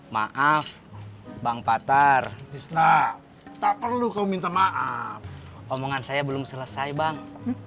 maaf bang patar tak perlu kau minta maaf omongan saya belum selesai bang